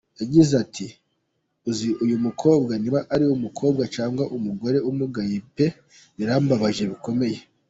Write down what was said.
Yagize ati “ Uzi uyu mukobwa niba ari umukobwa cyangwa umugore amugaye pe birambabaje bikomeye.